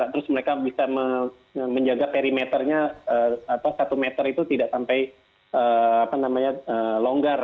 terus mereka bisa menjaga perimeternya satu meter itu tidak sampai longgar